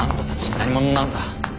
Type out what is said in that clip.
何者なんだ？